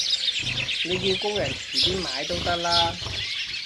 你叫工人遲啲買都得啦